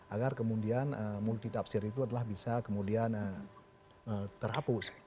agar kemudian multi tafsir itu bisa kemudian terhapus